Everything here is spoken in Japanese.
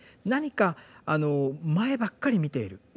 何か前ばっかり見ている。